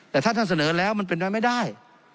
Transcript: แต่ถ้าท่านเสนอแล้วมันเป็นไปไม่ได้